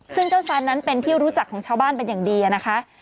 ซึ่งเจ้าซานนั้นเป็นที่รู้จักของชาวบ้านเป็นอย่างดีนะคะ